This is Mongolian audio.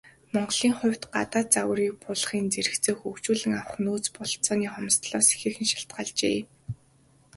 Монголын хувьд, гадаад загварыг буулгахын зэрэгцээ хөгжүүлэн авах нөөц бололцооны хомсдолоос ихээхэн шалтгаалжээ.